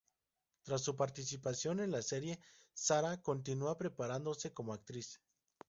Tras su participación en la serie, Sara continúa preparándose como actriz.